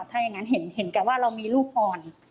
ถ้าอย่างนั้นเห็นแต่ว่าเรามีลูกอ่อน